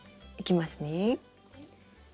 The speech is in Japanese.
いきますね。